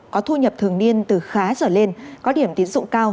có thu nhập thường niên từ khá trở lên có điểm tín dụng cao